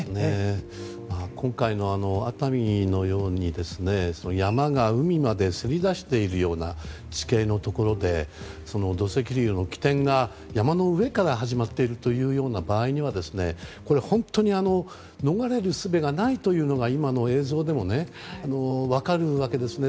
今回の熱海のように山が海までせり出しているような地形のところで土石流の起点が、山の上から始まっているという場合にはこれは本当に逃れるすべがないというのが今の映像でも分かるわけですね。